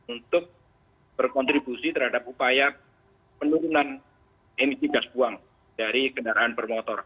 untuk berkontribusi terhadap upaya penurunan emisi gas buang dari kendaraan bermotor